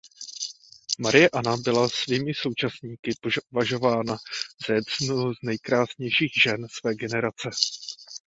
Marie Anna byla svými současníky považována za jednu z nejkrásnějších žen své generace.